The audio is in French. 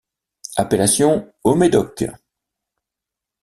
Appellation haut-médoc.